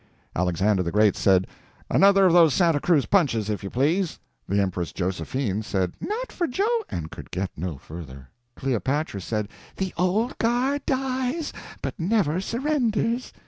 Alexander the Great said, "Another of those Santa Cruz punches, if you please." The Empress Josephine said, "Not for Jo " and could get no further. Cleopatra said, "The Old Guard dies, but never surrenders."